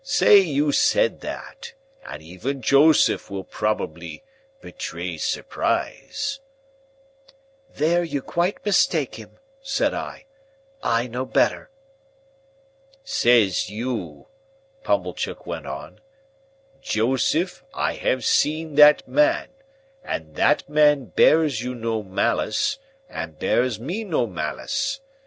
"Say you said that, and even Joseph will probably betray surprise." "There you quite mistake him," said I. "I know better." "Says you," Pumblechook went on, "'Joseph, I have seen that man, and that man bears you no malice and bears me no malice.